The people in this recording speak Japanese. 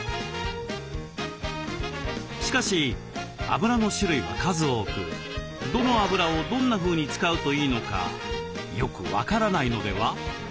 しかしあぶらの種類は数多くどのあぶらをどんなふうに使うといいのかよく分からないのでは？